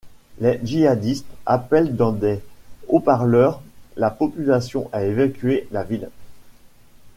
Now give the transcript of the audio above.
Les djihadistes appellent dans des haut-parleurs la population à évacuer la ville.